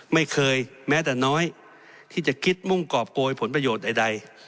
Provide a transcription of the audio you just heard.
ไม่เคยแม้แต่น้อยที่จะคิดมุ่งกรอบโกยผลประโยชน์ใด